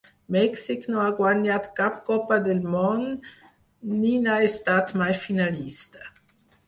Mèxic no ha guanyat cap Copa del Món, ni n'ha estat mai finalista.